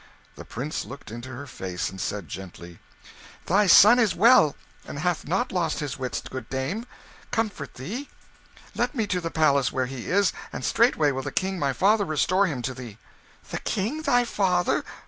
The Prince looked into her face, and said gently "Thy son is well, and hath not lost his wits, good dame. Comfort thee: let me to the palace where he is, and straightway will the King my father restore him to thee." "The King thy father!